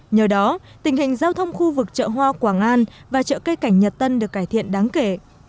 nhờ đó tình hình giao thông khu vực chợ hoa quảng an và chợ cây cảnh nhật tân được cải thiện đáng kể